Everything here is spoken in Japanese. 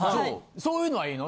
そういうのはいいの？